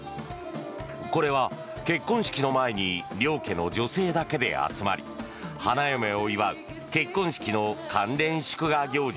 これは結婚式の前に両家の女性だけで集まり花嫁を祝う結婚式の関連祝賀行事